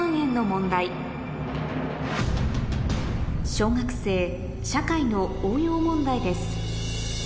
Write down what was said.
小学生社会の応用問題です